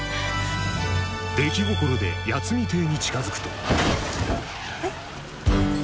出来心で八海邸に近づくと・え？